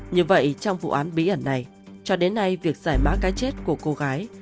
như vậy trong vụ án bí ẩn này cho đến nay việc giải mã cái chết của cô gái